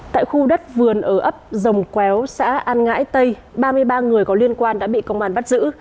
tại khu đất vườn ở ấp dòng quéo xã an ngãi tây ba mươi ba người có liên quan đã bị công an bắt giữ